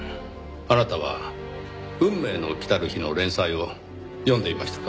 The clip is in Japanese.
あなたは『運命の来たる日』の連載を読んでいましたか？